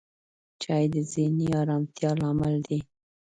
چای د ذهني آرامتیا لامل دی